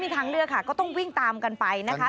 ทางเลือกค่ะก็ต้องวิ่งตามกันไปนะคะ